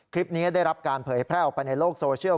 คลิปนี้ได้รับการเผยแพร่ออกไปในโลกโซเชียล